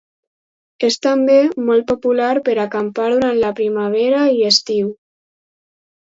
És també molt popular per acampar durant la primavera i estiu.